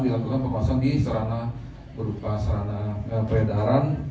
dilakukan pengawasan di serana berupa serana peredaran